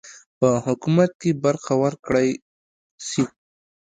په حکومت کې برخه ورکړه سي.